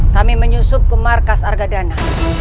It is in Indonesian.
kami menyusup ke markas argadana